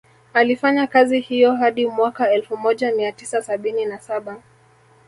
Alifanya kazi hiyo hadi mwaka elfu moja mia tisa sabini na saba